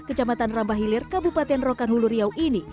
kecamatan rambah hilir kabupaten rokan hulu riau ini